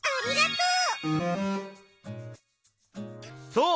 そう！